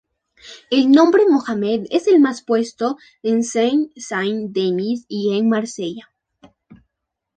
El nombre Mohamed es el más puesto en Seine-Saint-Denis y en Marsella.